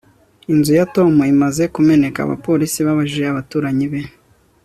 inzu ya tom imaze kumeneka, abapolisi babajije abaturanyi be